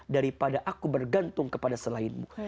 daripada aku bergantung kepada selainmu